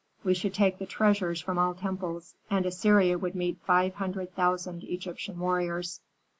We should take the treasures from all temples. And Assyria would meet five hundred thousand Egyptian warriors."